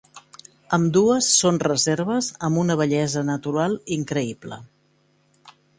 Ambdues són reserves amb una bellesa natural increïble.